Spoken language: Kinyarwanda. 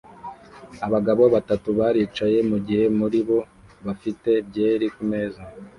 Abagabo batatu baricaye mugihe muri bo bafite byeri kumeza